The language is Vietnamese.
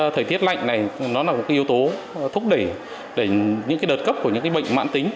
thời tiết lạnh này nó là một yếu tố thúc đẩy những đợt cấp của những bệnh mãn tính